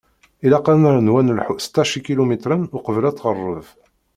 Ilaq ad nernu ad nelḥu seṭṭac ikilumitren uqbel ad tɣerreb.